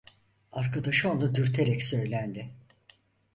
Arkadaşı onu dürterek söylendi: